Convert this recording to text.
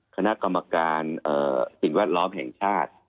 คณะกรรมการสิ่งแวดล้อมแห่งชาติ